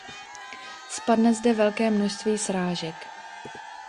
Spadne zde velké množství srážek.